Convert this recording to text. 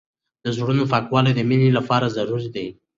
د زړونو پاکوالی د مینې لپاره ضروري دی.